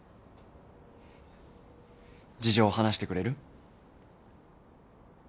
事情話してくれる？